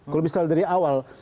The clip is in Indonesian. kalau misalnya dari awal